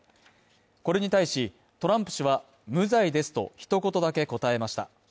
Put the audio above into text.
これに対しトランプ氏は無罪ですと一言だけ答えました。